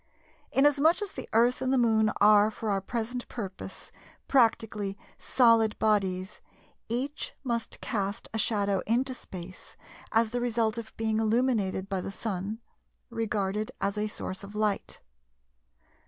Inasmuch as the Earth and the Moon are for our present purpose practically "solid bodies," each must cast a shadow into space as the result of being illuminated by the Sun, regarded as a source of light.